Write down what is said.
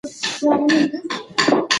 د نصاب ژبه باید معیاري وي.